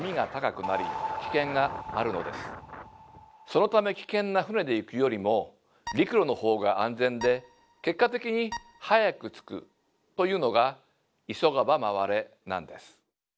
そのため危険な船で行くよりも陸路の方が安全で結果的に早く着くというのが「急がば回れ」なんです。